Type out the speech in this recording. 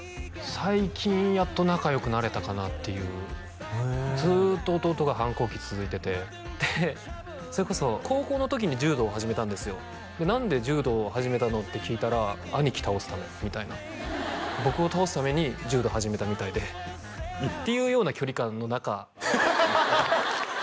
最近やっと仲良くなれたかなっていうずっと弟が反抗期続いててでそれこそ高校の時に柔道を始めたんですよで何で柔道始めたの？って聞いたら「兄貴倒すため」みたいな僕を倒すために柔道始めたみたいでっていうような距離感の仲ハハハハ！